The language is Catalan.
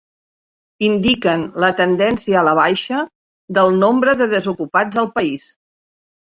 Indiquen la tendència a la baixa del nombre de desocupats al país.